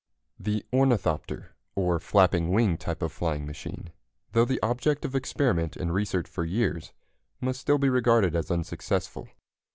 The ornithopter, or flapping wing type of flying machine, though the object of experiment and research for years, must still be regarded as unsuccessful.